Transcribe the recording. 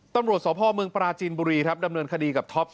ตำรวจสพเมืองปราจีนบุรีครับดำเนินคดีกับท็อป